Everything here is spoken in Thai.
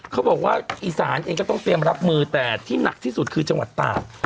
เขาบอกว่าอีสานเองก็ต้องเตรียมรับมือแต่ที่หนักที่สุดคือจังหวัดตาก